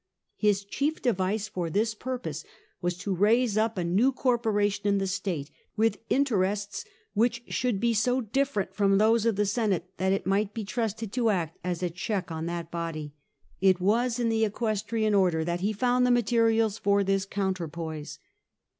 His chief device for this purpose was to raise up a new corporation in the state, with interests which should be so different from those of the Senate that it might be trusted to act as a check on that body. It was in the Equestrian Order that he found the materials for this counterpoise.